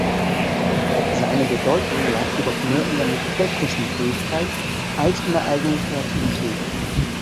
Seine Bedeutung lag jedoch mehr in seiner technischen Fähigkeit als in der eigenen Kreativität.